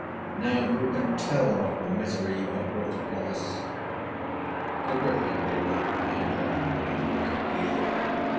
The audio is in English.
Now who can tell what misery you have brought upon us." The Griffin did not remain long in the little field.